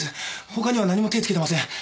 他には何も手つけてません！